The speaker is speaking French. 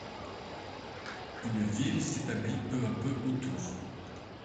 Une ville s'établit peu à peu autour.